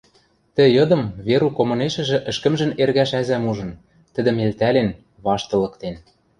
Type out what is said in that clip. Тӹ йыдым Верук омынешӹжӹ ӹшкӹмжӹн эргӓш ӓзӓм ужын, тӹдӹм элтӓлен, ваштылыктен.